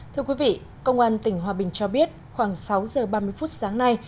thưa quý vị công an tỉnh hòa bình cho biết khoảng sáu giờ ba mươi phút sáng nay